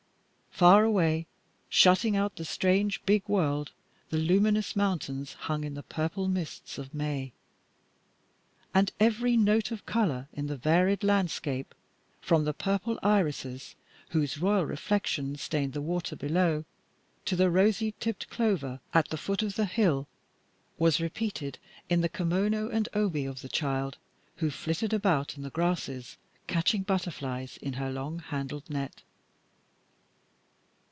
Far away, shutting out the strange, big world, the luminous mountains hung in the purple mists of May. And every note of color in the varied landscape, from the purple irises whose royal reflection stained the water below, to the rosy tipped clover at the foot of the hill, was repeated in the kimono and obi of the child who flitted about in the grasses, catching butterflies in her long handled net.